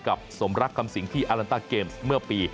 กับสมรักคำสิงห์ที่อัลลานตาเกมส์เมื่อปี๑๙๙๘